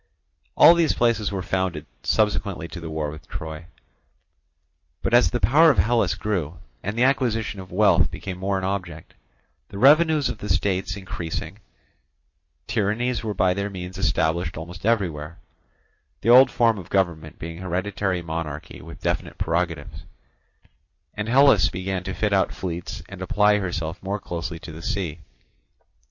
All these places were founded subsequently to the war with Troy. But as the power of Hellas grew, and the acquisition of wealth became more an object, the revenues of the states increasing, tyrannies were by their means established almost everywhere—the old form of government being hereditary monarchy with definite prerogatives—and Hellas began to fit out fleets and apply herself more closely to the sea.